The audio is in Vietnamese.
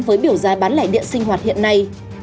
với biểu giá bán lẻ điện sinh hoạt hiện nay